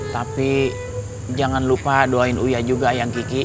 tapi jangan lupa doain uya juga ayang kiki